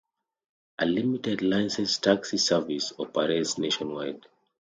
A limited licensed taxi service operates nationwide.